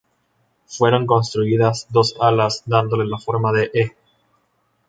Fueron construidas dos alas dándole la forma de "E".